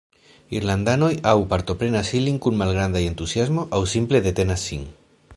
Irlandanoj aŭ partoprenas ilin kun malgranda entuziasmo aŭ simple detenas sin.